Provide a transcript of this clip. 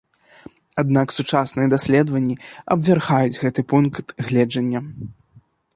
Аднак сучасныя даследаванні абвяргаюць гэты пункт гледжання.